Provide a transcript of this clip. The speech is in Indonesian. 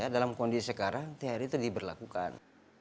dalam kondisi sekarang thr itu diberlakukan